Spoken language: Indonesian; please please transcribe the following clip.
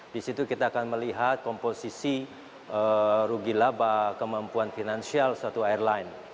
di situ kita akan melihat komposisi rugi laba kemampuan finansial suatu airline